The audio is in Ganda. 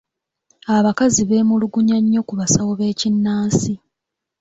Abakazi beemulugunya nnyo ku basawo b'ekinnansi.